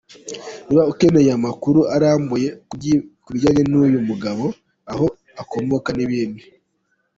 Niba ukeneye amakuru arambuye kubijyanye nuyu mugabo, aho akomoka nibindi.